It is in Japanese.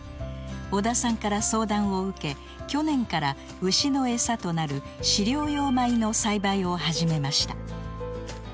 尾田さんから相談を受け去年から牛のエサとなる飼料用米の栽培を始めました。